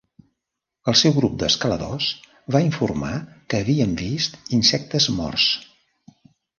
El seu grup d'escaladors va informar que havien vist insectes morts.